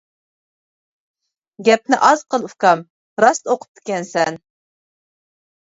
-گەپنى ئاز قىل ئۇكام، راست ئوقۇپتىكەنسەن.